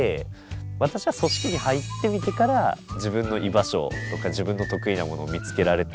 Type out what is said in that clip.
私は組織に入ってみてから自分の居場所とか自分の得意なものを見つけられた。